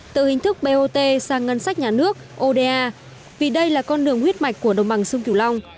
từ hình thức bot sang ngân sách nhà nước oda vì đây là con đường huyết mạch của đồng bằng sông kiều long